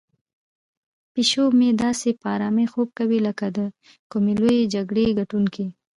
پیشو مې داسې په آرامۍ خوب کوي لکه د کومې لویې جګړې ګټونکی.